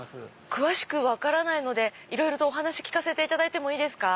詳しく分からないのでお話聞かせていただいていいですか？